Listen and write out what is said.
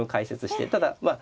ただまあ